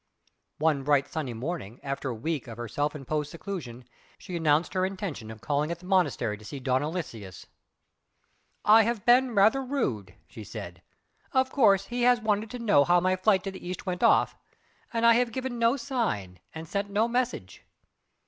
One bright sunny morning, after a week of her self imposed seclusion, she announced her intention of calling at the monastery to see Don Aloysius. "I have been rather rude" she said "Of course he has wanted to know how my flight to the East went off! and I have given no sign and sent no message."